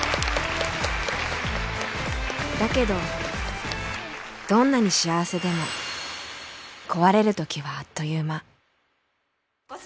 だけどどんなに幸せでも壊れる時はあっという間